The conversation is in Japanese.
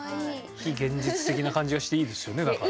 非現実的な感じがしていいですよねだから。